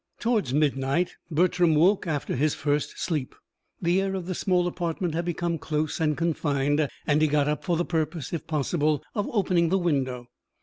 Towards midnight Bertram woke after his first sleep. The air of the small apartment had become close and confined, and he got up for the purpose, if possible, of opening the window.